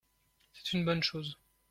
C’est une bonne chose.